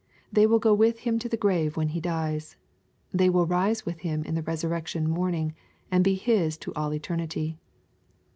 They will go with him to the grave when he dies. They will rise with him in the resurrection morning, and be his to all eternity.